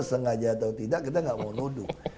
sengaja atau tidak kita nggak mau nuduh